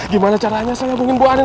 gimana caranya saya mengimbau anin